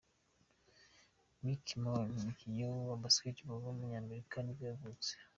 Mikki Moore, umukinnyi wa basketball w’umunyamerika nibwo yavutse.